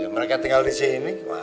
mereka tinggal di sini